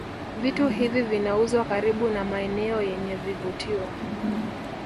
Vitu hivi vinauzwa karibu na maeneo yenye vivutio